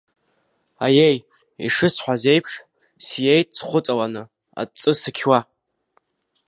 Аиеи, ишысҳәаз еиԥш, сиеит схәыҵаланы, аҵҵы сықьуа.